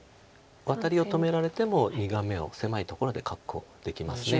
ワタリを止められても２眼目を狭いところで確保できます。